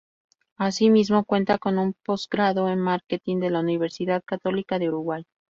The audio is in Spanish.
Asimismo cuenta con un Postgrado en Marketing de la Universidad Católica del Uruguay.